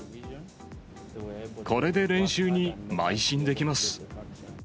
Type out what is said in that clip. これで練習にまい進できます。